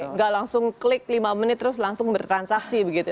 nggak langsung klik lima menit terus langsung bertransaksi begitu